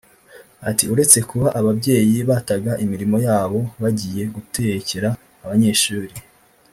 Ati “uretse kuba ababyeyi bataga imirimo yabo bagiye gutekera abanyeshuri